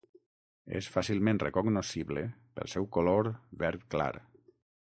És fàcilment recognoscible pel seu color verd clar.